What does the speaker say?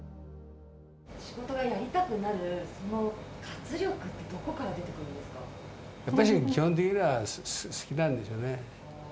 仕事がやりたくなる、その活やっぱし基本的には好きなんでしょうね。